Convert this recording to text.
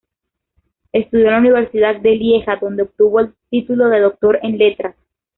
Estudió en la Universidad de Lieja donde obtuvo el título de Doctor en Letras.